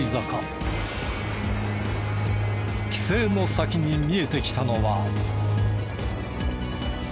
規制の先に見えてきたのは。